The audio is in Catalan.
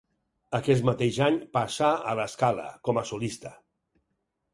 Aquest mateix any passà a La Scala, com a solista.